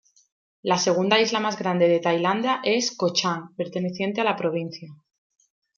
La segunda isla más grande de Tailandia es Ko Chang, perteneciente a la provincia.